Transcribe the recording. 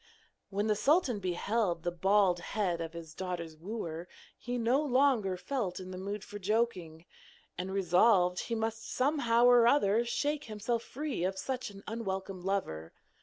When the sultan beheld the bald head of his daughter's wooer, he no longer felt in the mood for joking, and resolved that he must somehow or other shake himself free of such an unwelcome lover.